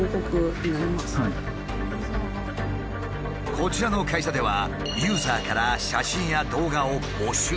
こちらの会社ではユーザーから写真や動画を募集。